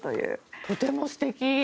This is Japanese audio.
とても素敵。